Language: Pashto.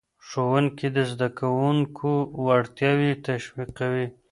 ښوونکی د زدهکوونکو وړتیاوې تشویقوي.